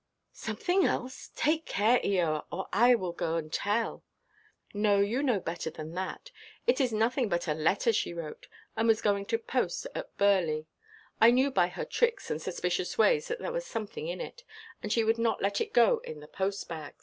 "Something else! Take care, Eoa, or I will go and tell." "No, you know better than that. It is nothing but a letter she wrote, and was going to post at Burley. I knew by her tricks and suspicious ways that there was something in it; and she would not let it go in the post–bag.